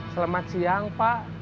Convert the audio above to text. selamat siang pak